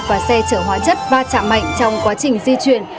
và xe chở hóa chất va chạm mạnh trong quá trình di chuyển